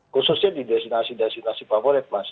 khususnya di destinasi destinasi favorit mas